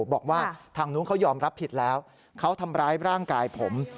บอกว่าทางนู้นเขายอมรับผิดแล้วเขาทำร้ายร่างกายผม